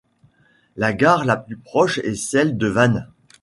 La gare la plus proche est celle de Vannes.